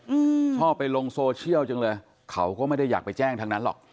อืมชอบไปลงโซเชียลจังเลยเขาก็ไม่ได้อยากไปแจ้งทั้งนั้นหรอก